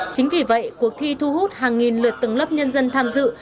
chính vì vậy cuộc thi thu hút hàng nghìn lượt từng lớp nhân dân tham dự